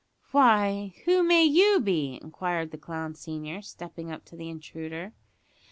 "Why! who may you be?" inquired the clown senior, stepping up to the intruder.